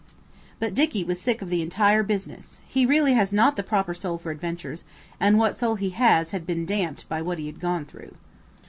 But Dicky was sick of the entire business. He really has not the proper soul for adventures, and what soul he has had been damped by what he had gone through.